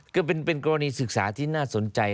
ก็เป็นกรณีศึกษาที่น่าสนใจ